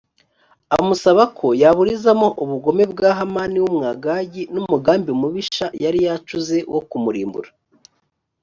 amusaba ko yaburizamo ubugome bwa hamani w’umwagagi n’umugambi mubisha yari yacuze wo kumurimbura